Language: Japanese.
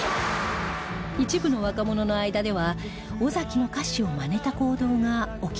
一部の若者の間では尾崎の歌詞をマネた行動が起きるまでに